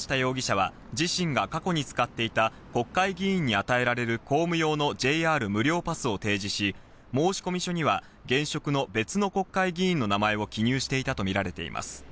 山下容疑者は自身が過去に使っていた国会議員に与えられる公務用のＪＲ無料パスを提示し、申込書には現職の別の国会議員の名前を記入していたとみられています。